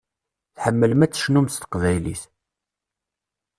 Tḥemmlem ad tecnum s teqbaylit.